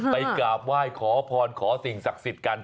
ไปกาบไว้ขอพรขอสิ่งศักดิ์สิจกรรม